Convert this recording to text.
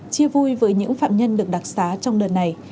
chia vui với những phạm nhân được đặc xá trong đợt này